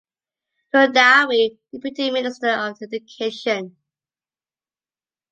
Tudawe, Deputy Minister of Education.